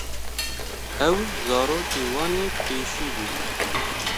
Ew zarokê wan ê pêşî bû.